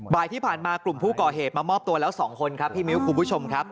บ่ายที่ผ่านมากลุ่มผู้ก่อเหตุมามอบตัวแล้ว๒คนครับพี่มิ้วคุณผู้ชมครับ